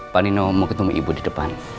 pak nino mau ketemu ibu di depan